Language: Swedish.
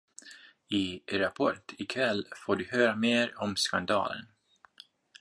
I Rapport ikväll får du höra mer om skandalen